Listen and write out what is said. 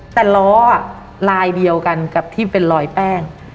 แต่ล้อลายเดียวกันกับที่เป็นรอยแป้ง